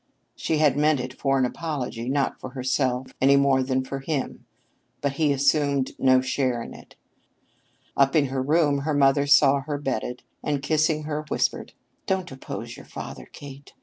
She had meant it for an apology, not for herself any more than for him, but he assumed no share in it. Up in her room her mother saw her bedded, and in kissing her whispered, "Don't oppose your father, Kate.